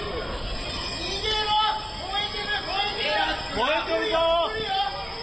燃えてるぞ！